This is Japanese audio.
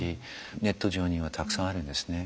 ネット上にはたくさんあるんですね。